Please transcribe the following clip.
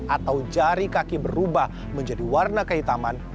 atau jari kaki berubah menjadi warna kehitaman